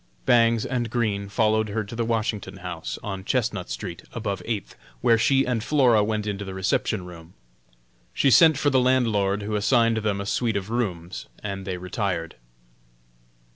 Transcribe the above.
Bangs and Green followed her to the Washington House, on Chestnut street, above Eighth, where she and Flora went into the reception room. She sent for the landlord, who assigned them a suite of rooms, and they retired.